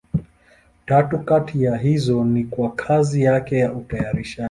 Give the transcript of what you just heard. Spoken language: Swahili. Tatu kati ya hizo ni kwa kazi yake ya utayarishaji.